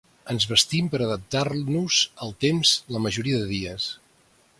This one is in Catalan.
Ens vestim per adaptar-nos al temps la majoria de dies.